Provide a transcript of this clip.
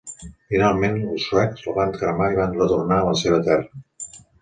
Finalment, els suecs, la van cremar i van retornar a la seva terra.